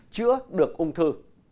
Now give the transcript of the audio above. chữa được ung thư